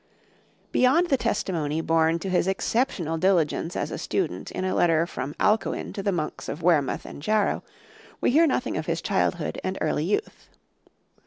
Beyond the testimony borne to his exceptional diligence as a student in a letter from Alcuin to the monks of Wearmouth and Jarrow, we hear nothing of his childhood and early youth.